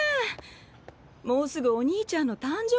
もうすぐお兄ちゃんの誕生日なんですよ。